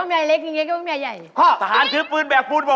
เฮ่ยเฮ่ยเฮ่ยเฮ่ย